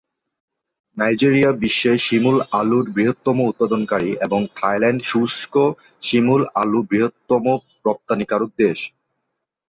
Nigeria বিশ্বে শিমুল আলুর বৃহত্তম উৎপাদনকারী এবং থাইল্যান্ড শুষ্ক শিমুল আলু বৃহত্তম রপ্তানিকারক দেশ।